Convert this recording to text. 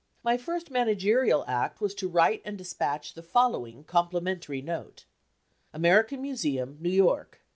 My first managerial act was to write and despatch the following complimentary note: AMERICAN MUSEUM, NEW YORK, Dec.